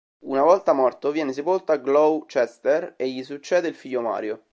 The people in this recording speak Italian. Una volta morto viene sepolto a Gloucester e gli succede il figlio Mario.